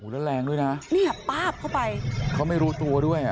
แล้วแรงด้วยนะเนี่ยป้าบเข้าไปเขาไม่รู้ตัวด้วยอ่ะ